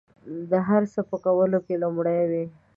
د هر څه په کولو کې لومړي وي.